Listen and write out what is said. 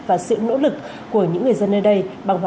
và sự nỗ lực của những người dân nơi đây